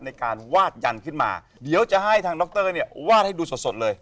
ในการวาดยันขึ้นมาเดี๋ยวจะให้ทางดรเนี่ยวาดให้ดูสดเลย